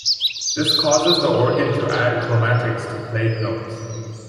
This causes the organ to add chromatics to played notes.